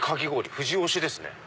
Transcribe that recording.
富士推しですね！